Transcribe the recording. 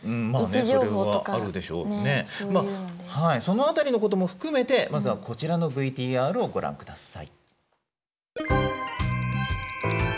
その辺りのことも含めてまずはこちらのＶＴＲをご覧ください。